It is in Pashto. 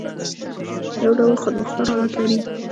یو ډول خودمختار حالت لري.